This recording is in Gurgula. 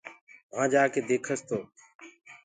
وهآنٚ جآڪي ديکس تو